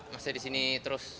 masa disini terus